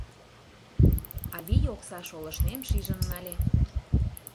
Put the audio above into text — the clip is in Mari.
Авий окса шолыштмем шижын нале.